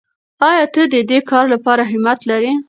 آیا ته د دې کار لپاره همت لرې؟